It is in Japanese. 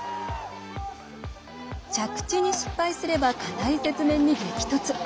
着地に失敗すればかたい雪面に激突。